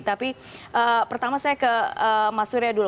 tapi pertama saya ke mas surya dulu